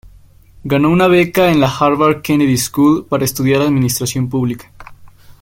Ganó una beca en la Harvard Kennedy School para estudiar administración pública.